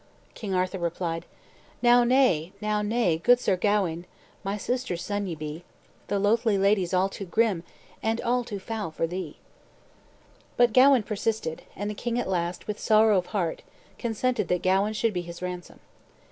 King Arthur replied: "Now nay, now nay, good Sir Gawaine, My sister's son ye be; The loathly lady's all too grim, And all too foule for thee." But Gawain persisted, and the king at last, with sorrow of heart, consented that Gawain should be his ransom.